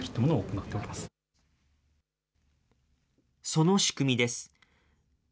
その仕組みです。